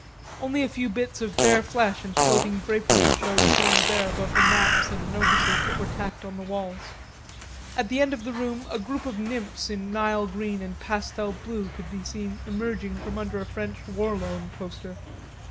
Only a few bits of bare flesh and floating drapery showed here and there above the maps and notices that were tacked on the walls. At the end of the room a group of nymphs in Nile green and pastel blue could be seen emerging from under a French War Loan poster.